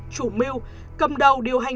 chủ miu cầm đầu điều hành